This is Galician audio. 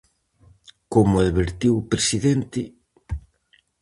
Como advertiu o presidente: